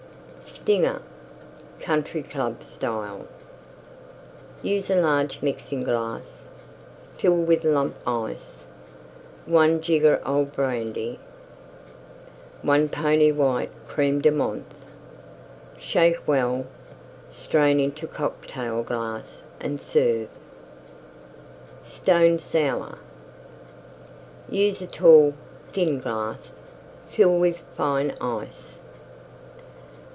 STINGER Country Club Style Use a large Mixing glass; fill with Lump Ice. 1 jigger Old Brandy. 1 pony white Creme de Menthe. Shake well; strain into Cocktail glass and serve. STONE SOUR Use a tall, thin glass; fill with fine Ice.